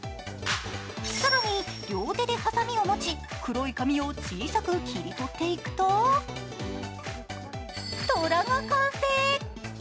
更に両手でハサミを持ち、黒い紙を小さく切り取っていくと虎が完成。